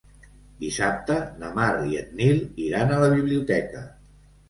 Dissabte na Mar i en Nil iran a la biblioteca.